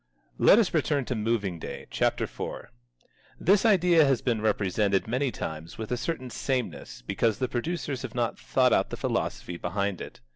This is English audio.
Let us return to Moving Day, chapter four. This idea has been represented many times with a certain sameness because the producers have not thought out the philosophy behind it.